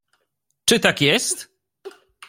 "Czy tak jest?"